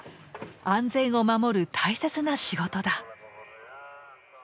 安全を守る大切な仕事だ。